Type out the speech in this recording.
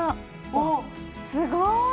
おすごい！